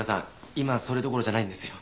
今それどころじゃないんですよ。